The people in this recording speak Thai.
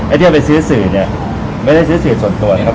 ที่จะไปซื้อสื่อเนี่ยไม่ได้ซื้อสื่อส่วนตัวนะครับ